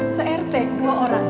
seerti dua orang